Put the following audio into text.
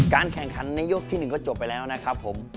แข่งขันในยกที่๑ก็จบไปแล้วนะครับผม